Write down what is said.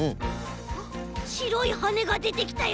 あっしろいはねがでてきたよ！